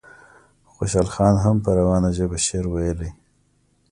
خوشحال خان هم په روانه ژبه شعر ویلی.